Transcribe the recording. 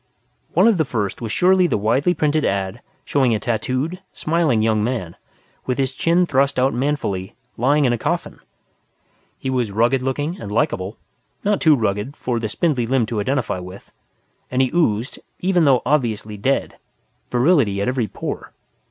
One of the first was surely the widely printed one showing a tattooed, smiling young man with his chin thrust out manfully, lying in a coffin. He was rugged looking and likable (not too rugged for the spindly limbed to identify with) and he oozed, even though obviously dead, virility at every pore.